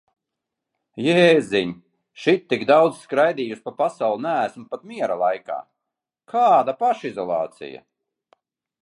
Jēziņ, šitik daudz skraidījusi pa pasauli neesmu pat miera laikā. Kāda pašizolācija?